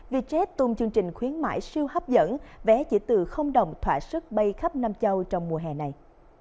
vì jet tung chương trình khuyến mãi siêu hấp dẫn vé chỉ từ đồng thỏa sức bay khắp nam châu trong mùa hè này